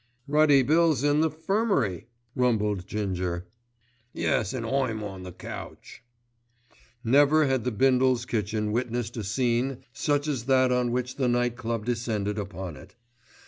"Ruddy Bill's in the 'firmary," rumbled Ginger. "Yes, an' I'm on the couch." Never had the Bindles' kitchen witnessed a scene such as that on which the Night Club descended upon it.